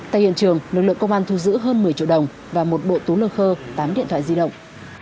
tại hiện trường lực lượng công an thu giữ hơn một mươi triệu đồng và một bộ túi lơ khơ tám điện thoại di động